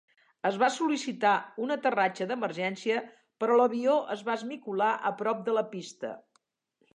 Es va sol·licitar un aterratge d'emergència, però l'avió es va esmicolar a prop de la pista.